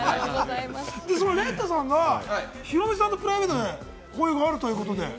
ＲＥＤさんがヒロミさんとプライベートで交流があるということで？